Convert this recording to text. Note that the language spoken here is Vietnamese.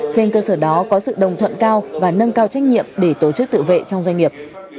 trên cơ sở đó có sự đồng thuận cao và nâng cao trách nhiệm để tổ chức tự vệ trong doanh nghiệp